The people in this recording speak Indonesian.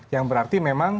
yang berarti memang